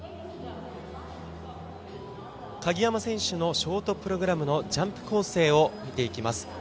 鍵山選手のショートプログラムのジャンプ構成を見ていきます。